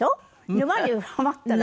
沼にハマったら。